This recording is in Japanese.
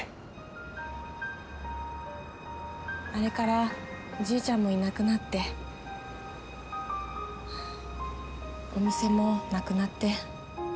あれからおじいちゃんもいなくなってお店もなくなって。